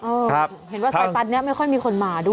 เห็นว่าสายฟันนี้ไม่ค่อยมีคนมาด้วย